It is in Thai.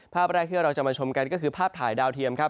ภาพแรกที่เราจะมาชมกันก็คือภาพถ่ายดาวเทียมครับ